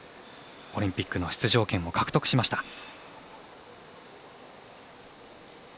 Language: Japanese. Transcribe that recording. オリンピックの出場権を獲得しました。